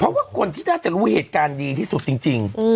เพราะว่าคนที่น่าจะรู้เหตุการณ์ดีที่สุดจริง